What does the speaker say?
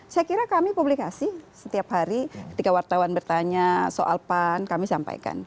saya kira kami publikasi setiap hari ketika wartawan bertanya soal pan kami sampaikan